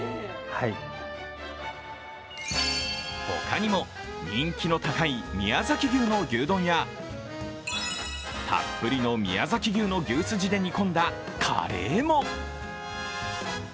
他にも、人気の高い宮崎牛の牛丼やたっぷりの宮崎牛の牛すじで煮込んだカレーも。